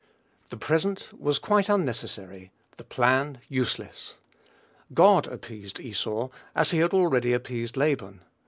The present was quite unnecessary, the plan useless. God "appeased" Esau, as he had already appeased Laban.